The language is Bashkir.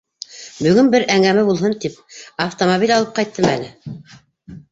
— Бөгөн, бер әңгәмә булһын тип, автомобиль алып ҡайттым әле.